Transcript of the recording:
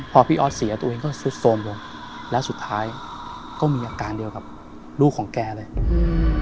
พอพี่ออสเสียตัวเองก็สุดโทรมลงแล้วสุดท้ายก็มีอาการเดียวกับลูกของแกเลยอืม